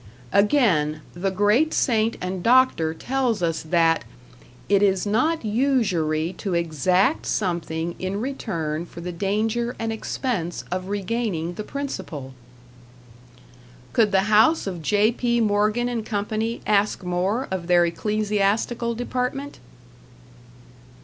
Again the great saint and doctor tells us that "it is not usury to exact something in return for the danger and expense of regaining the principal!" Could the house of J. P. Morgan and Company ask more of their ecclesiastical department?